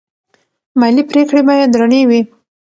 مالي پریکړې باید رڼې وي.